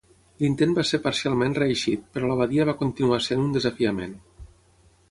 L'intent va ser parcialment reeixit, però la badia va continuar sent un desafiament.